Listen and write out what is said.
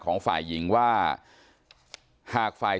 ไม่ตั้งใจครับ